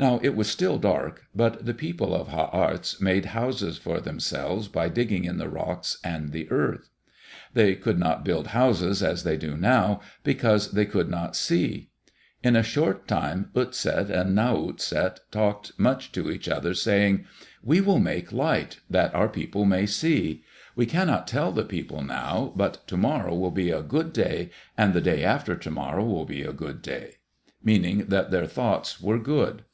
Now it was still dark, but the people of Ha arts made houses for themselves by digging in the rocks and the earth. They could not build houses as they do now, because they could not see. In a short time Utset and Now utset talked much to each other, saying, "We will make light, that our people may see. We cannot tell the people now, but to morrow will be a good day and the day after to morrow will be a good day," meaning that their thoughts were good.